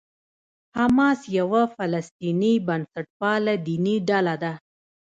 حماس یوه فلسطیني بنسټپاله دیني ډله ده.